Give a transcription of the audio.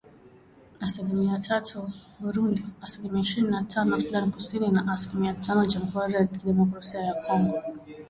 Asilimia tatu Burundi ,asilimia ishirini na tano Sudan Kusini na asilimia tano Jamhuri ya Kidemokrasia ya Kongo